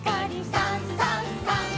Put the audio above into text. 「さんさんさん」